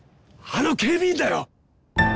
あの警備員だよ！